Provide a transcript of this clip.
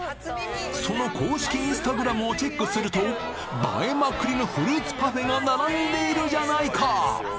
その公式インスタグラムをチェックすると映えまくりのフルーツパフェが並んでいるじゃないか！